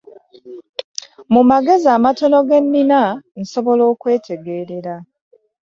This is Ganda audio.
Mu magezi amatono ge nina nsobola okwetegeerera.